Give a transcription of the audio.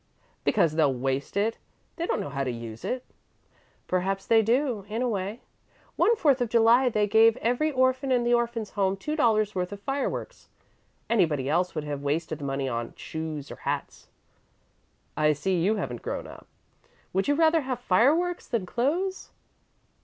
"Because they'll waste it. They don't know how to use it." "Perhaps they do, in a way. One Fourth of July they gave every orphan in the Orphans' Home two dollars' worth of fireworks. Anybody else would have wasted the money on shoes, or hats." "I see you haven't grown up. Would you rather have fireworks than clothes?"